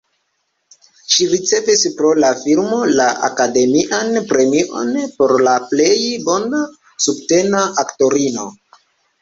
Ŝi ricevis pro la filmo la Akademian Premion por la plej bona subtena aktorino.